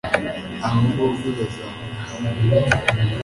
Abo bombi bazahora hamwe